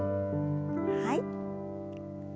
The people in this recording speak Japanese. はい。